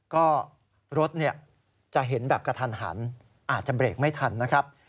ก็รถจะเห็นแบบกระทันหันอาจจะเบรกไม่ทันนะครับ